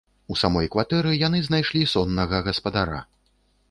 У самой кватэры яны знайшлі соннага гаспадара.